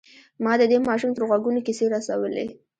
ما د دې ماشوم تر غوږونو کيسې رسولې.